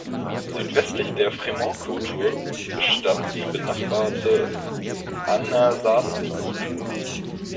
Südwestlich der Fremont-Kultur bestand die benachbarte Anasazi-Kultur.